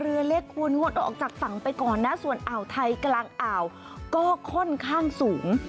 เรือเล็กควรงดออกจากฝั่งไปก่อนนะส่วนอ่าวไทยกลางอ่าวก็ค่อนข้างสูง